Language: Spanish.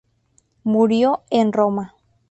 Murió en Roma.